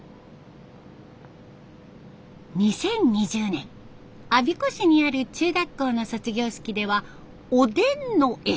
２０２０年我孫子市にある中学校の卒業式ではおでんの絵。